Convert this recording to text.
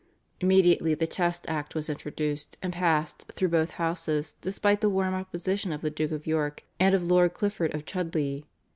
Immediately the Test Act was introduced and passed through both houses despite the warm opposition of the Duke of York and of Lord Clifford of Chudleigh.